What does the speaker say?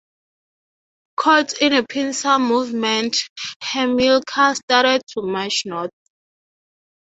Caught in a pincer movement, Hamilcar started to march north.